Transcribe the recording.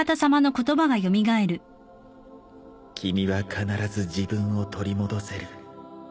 君は必ず自分を取り戻せる。